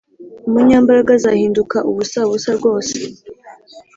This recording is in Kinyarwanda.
Umunyambaraga azahinduka ubusabusa rwose